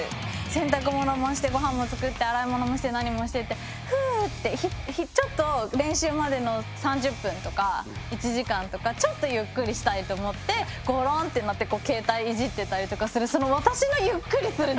洗濯物もして御飯も作って洗い物もして何もしてってふうってちょっと練習までの３０分とか１時間とかちょっとゆっくりしたいと思ってごろんってなって携帯いじってたりとかするなるほどね。